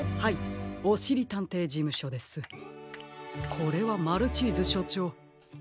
これはマルチーズしょちょう。